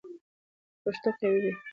که پښتو قوي وي، نو کلتوري نمونه ژوندۍ وي.